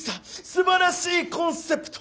すばらしいコンセプト！